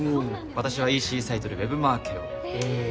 私はＥＣサイトでウェブマーケをええ